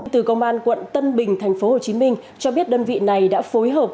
từ công an quận tân bình tp hcm cho biết đơn vị này đã phối hợp